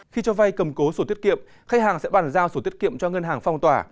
khi cho vay cầm cố sổ tiết kiệm khách hàng sẽ bàn giao sổ tiết kiệm cho ngân hàng phong tỏa